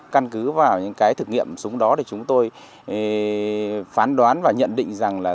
căn cứ vào những cái thực nghiệm súng đó thì chúng tôi phán đoán và nhận định rằng là